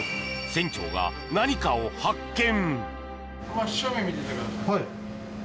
船長が何かを発見！